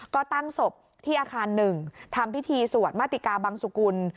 ก็ตั้งศพที่อาคาร๑ทำพิธีสวดมาติกาบังสุกุล